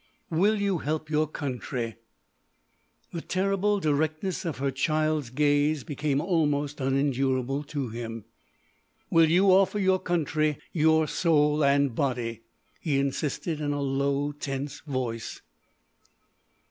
"Will you help your country?" The terrible directness of her child's gaze became almost unendurable to him. "Will you offer your country your soul and body?" he insisted in a low, tense voice.